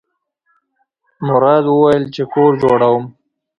مراد وویل چې کور جوړوم.